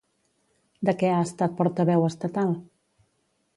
De què ha estat portaveu estatal?